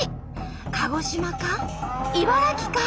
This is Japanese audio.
鹿児島か？